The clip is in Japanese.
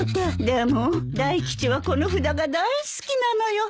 でも大吉はこの札が大好きなのよ。